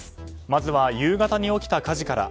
まずは夕方に起きた火事から。